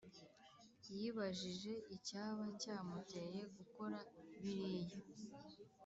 Yibajije icyaba cyamuteye gukora biriya